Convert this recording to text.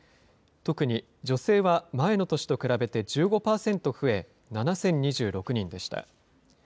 特に女性は前の年と比べて１５％増え、７０２６人でした。